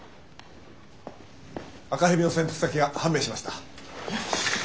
赤蛇の潜伏先が判明しました。